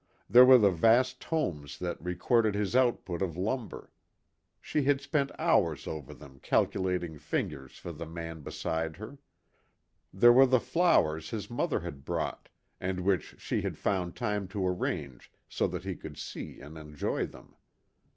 There were the vast tomes that recorded his output of lumber. She had spent hours over them calculating figures for the man beside her. There were the flowers his mother had brought, and which she had found time to arrange so that he could see and enjoy them.